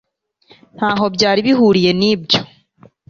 ntaho byari bihuriye nibyo